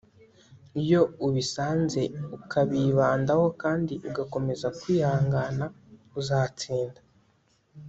iyo ubisanze ukabibandaho kandi ugakomeza kwihangana uzatsinda